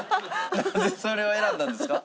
なぜそれを選んだんですか？